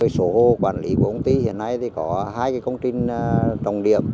số hồ quản lý của công ty hiện nay có hai công trình đồng điểm